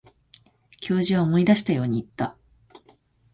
教授は思い出したように言った。